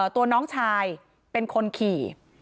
ตัวน้องชายเป็นคนขี่